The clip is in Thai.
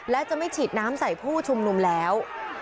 และจะไม่ฉีดน้ำใส่ผู้ชุมนุมแล้ว